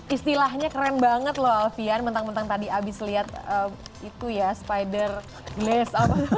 istilahnya keren banget loh alvian mentang mentang tadi habis lihat itu ya spiderwebs